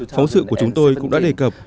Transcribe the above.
phóng sự của chúng tôi cũng đã đề cập